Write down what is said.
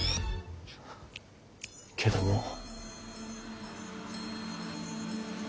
けどもう。